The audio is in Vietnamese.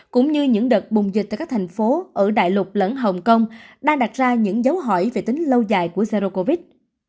cũng như những đợt bùng dịch tại các thành phố ở đại lục lẫn hồng kông đang đặt ra những dấu hỏi về tính lâu dài của zero covid